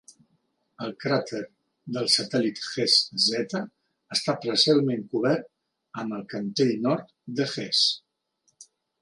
El cràter del satèl·lit Hess Z està parcialment cobert amb el cantell nord de Hess.